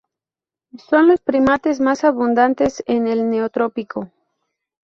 Son los primates más abundantes en el Neotrópico.